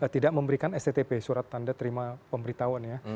tidak memberikan sttp surat tanda terima pemberitahuan ya